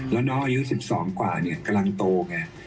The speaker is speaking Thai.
แล้วน้องอายุ๑๒กว่าเนี่ยกำลังโตไง